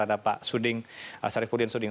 dan ada pak suding sarifudin suding